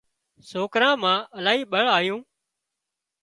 سوڪران مان الاهي ٻۯ آيون